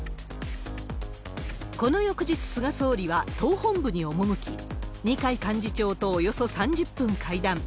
この翌日、菅総理は党本部に赴き、二階幹事長とおよそ３０分会談。